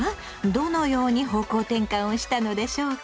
どのように方向転換をしたのでしょうか。